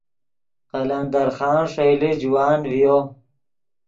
قلمدر خان ݰئیلے جوان ڤیو